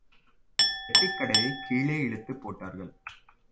பெட்டிக்கடையை, கீழே இழுத்துப் போட்டார்கள்.